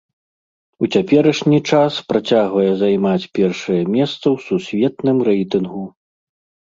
У цяперашні час працягвае займаць першае месца ў сусветным рэйтынгу.